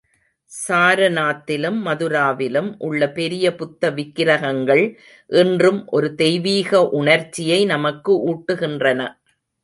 சாரநாத்திலும், மதுராவிலும் உள்ள பெரிய புத்த விக்கிரகங்கள் இன்றும் ஒரு தெய்வீக உணர்ச்சியை நமக்கு ஊட்டுகின்றன.